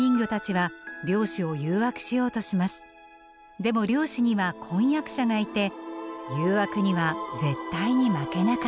でも漁師には婚約者がいて誘惑には絶対に負けなかった。